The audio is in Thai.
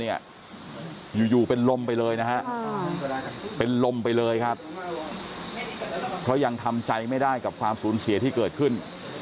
อยู่เป็นลมไปเลยนะฮะเป็นลมไปเลยครับเพราะยังทำใจไม่ได้กับความสูญเสียที่เกิดขึ้น